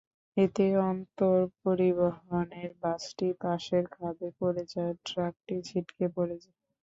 এতে অন্তর পরিবহনের বাসটি পাশের খাদে পড়ে যায়, ট্রাকটি ছিটকে পড়ে।